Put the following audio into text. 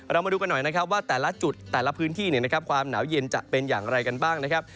มาดูกันหน่อยนะครับว่าแต่ละจุดแต่ละพื้นที่ความหนาวเย็นจะเป็นอย่างไรกันบ้างนะครับ